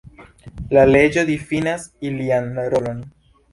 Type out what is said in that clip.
La leĝo difinas ilian rolon.